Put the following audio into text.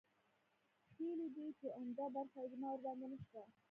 ښييلي دي چې عمده برخه اجماع ورباندې نشته